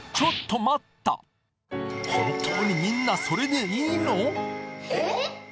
本当にみんなそれでいいの？え？